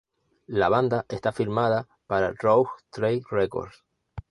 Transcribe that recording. La banda está firmada para Rough Trade Records.